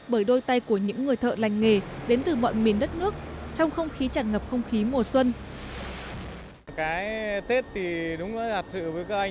bởi đôi tay của những người thợ lành nghề đến từ mọi miền đất nước trong không khí tràn ngập không khí mùa xuân